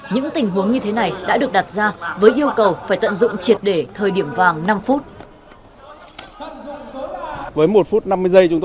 những tình huống như thế này đã được đặt ra với yêu cầu phải tận dụng triệt để thời điểm vàng năm phút